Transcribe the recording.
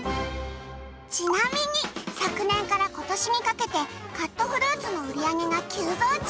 ちなみに昨年から今年にかけてカットフルーツの売り上げが急増中！